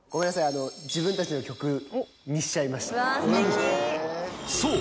あの自分たちの曲にしちゃいましたそう